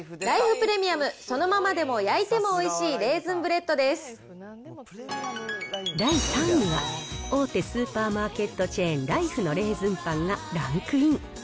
プレミアムそのままでも焼いてもおいしいレー第３位は、大手スーパーマーケットチェーン、ライフのレーズンパンがランクイン。